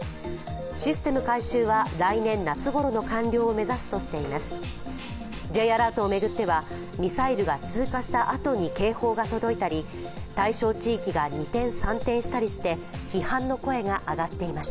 システム改修は来年夏ごろの完了を目指すとしています。